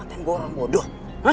kenapa lo yang bodoh